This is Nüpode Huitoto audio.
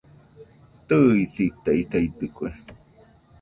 Tɨisitaisaidɨkue